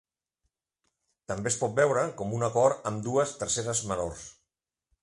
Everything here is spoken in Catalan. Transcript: També es pot veure com un acord amb dues terceres menors.